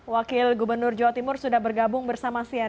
wakil gubernur jawa timur sudah bergabung bersama sian